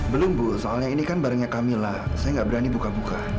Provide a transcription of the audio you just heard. belum bu soalnya ini kan barangnya kami lah saya nggak berani buka buka